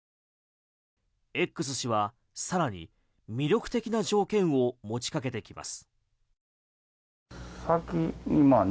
Ｘ氏は更に、魅力的な条件を持ちかけてきます。